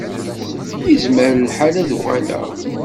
Yezmer lḥal ad d-uɣaleɣ.